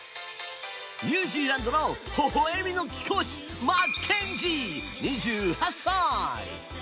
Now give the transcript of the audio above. ニュージーランドの微笑みの貴公子マッケンジー、２８歳。